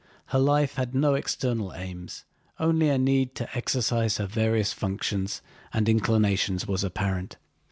Her life had no external aims—only a need to exercise her various functions and inclinations was apparent.